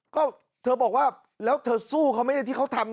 ก็เธอบอกว่าแล้วเธอสู้เขาไม่ได้ที่เขาทำ